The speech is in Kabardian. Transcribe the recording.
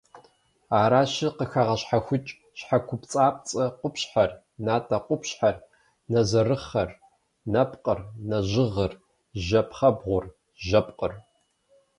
Аращи, къыхагъэщхьэхукӏ щхьэкупцӏапцӏэ къупщхьэр, натӏэ къупщхьэр, нэзэрыхъэр, нэпкъыр, нэжьгъыр, жьэ пхъэбгъур, жьэпкъыр.